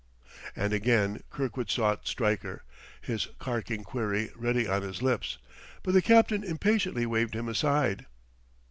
And again Kirkwood sought Stryker, his carking query ready on his lips. But the captain impatiently waved him aside.